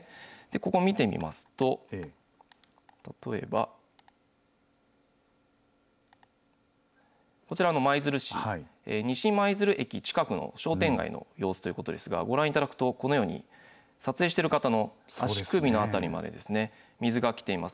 ここ見てみますと、例えば、こちら舞鶴市、西舞鶴駅近くの商店街の様子ということですが、ご覧いただくと、このように、撮影している方の足首の辺りまで水が来ています。